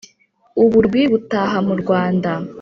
U Burwi butaha mu Rwanda.